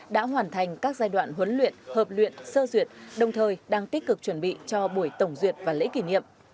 đã hoàn thành các giai đoạn huấn luyện hợp luyện sơ duyệt đồng thời đang tích cực chuẩn bị cho buổi tổng duyệt và lễ kỷ niệm